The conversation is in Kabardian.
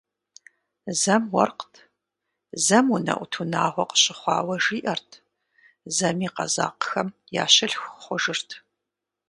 Зэм уэркът, зэм унэӀут унагъуэ къыщыхъуауэ жиӀэрт, зэми къэзакъхэм я щылъху хъужырт.